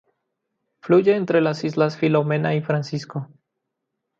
Fluye entre las islas Filomena y Francisco.